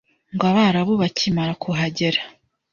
ngo Abarabu bakimara kuhagera